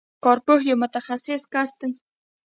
کارپوه یو متخصص کس دی.